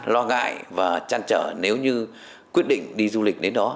lo ngại và chăn trở nếu như quyết định đi du lịch đến đó